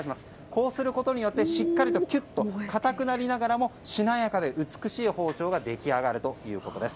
こうすることによってきゅっと固くなりながらもしなやかで美しい包丁が出来上がるということです。